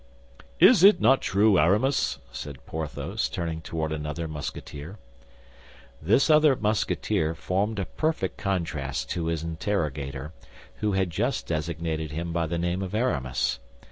"Is it not true, Aramis?" said Porthos, turning toward another Musketeer. This other Musketeer formed a perfect contrast to his interrogator, who had just designated him by the name of Aramis.